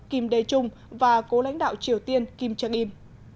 kim đề trung và cố lãnh đạo triều tiên kim trang im